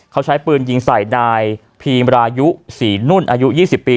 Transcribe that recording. เขาใช้ปืนยิงใส่นายพีมรายุศรีนุ่นอายุ๒๐ปี